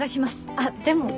あっでも。